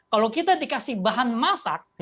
kalau kita dikasih bahan masak